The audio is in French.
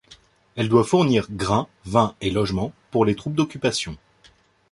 Elle doit fournir grains, vins et logements pour les troupes d’occupation.